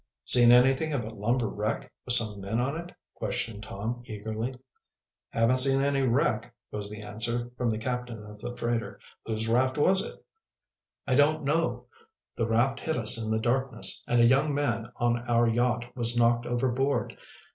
"Seen anything of a lumber wreck, with some men on it?" questioned Tom eagerly. "Haven't seen any wreck," was the answer, from the captain of the freighter. "Whose raft was it?" "I don't know. The raft hit us in the darkness and a young man on our yacht was knocked overboard.